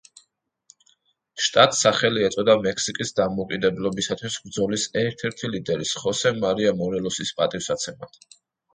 შტატს სახელი ეწოდა მექსიკის დამოუკიდებლობისათვის ბრძოლის ერთ-ერთი ლიდერის, ხოსე მარია მორელოსის პატივსაცემად.